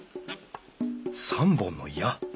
３本の矢。